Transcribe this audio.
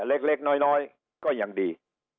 เล็กน้อยก็ยังดี